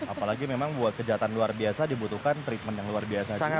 apalagi memang buat kejahatan luar biasa dibutuhkan treatment yang luar biasa juga